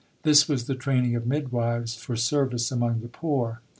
This was the training of midwives for service among the poor.